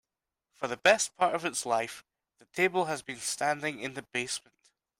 For the best part of its life, the table has been standing in the basement.